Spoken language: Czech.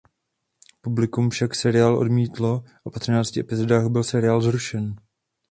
Publikum však seriál odmítlo a po třinácti epizodách byl seriál zrušen.